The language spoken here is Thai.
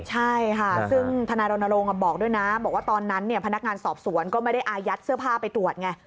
ใช่ค่ะซึ่งธนายรณรงค์บอกด้วยนะบอกว่าตอนนั้นพนักงานสอบสวนก็ไม่ได้อายัดเสื้อผ้าไปตรวจไง